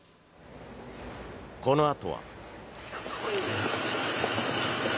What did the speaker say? このあとは。